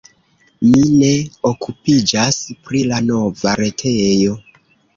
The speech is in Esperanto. Mi ne okupiĝas pri la nova retejo.